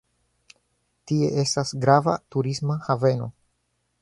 Tie estas grava turisma haveno.